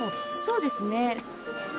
そうですね